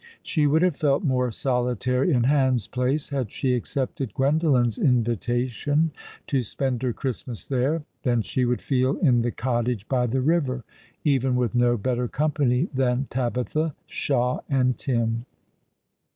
She would have felt more solitary in Hans Place, had she accepted Gwendolen's invitation to spend her Christmas there, than she would feel in the cottage by the river, even with no better company than Tabitha, Shah, and Tim.